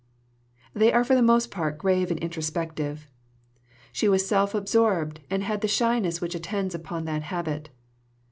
They are for the most part grave and introspective. She was self absorbed, and had the shyness which attends upon that habit.